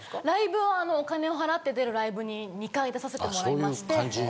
ライブはお金を払って出るライブに２回出させてもらいまして。